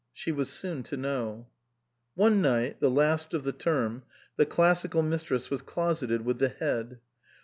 She was soon to know. One night, the last of the term, the Classical Mistress was closeted with the Head.